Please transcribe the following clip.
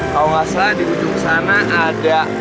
kalau gak usah di ujung sana ada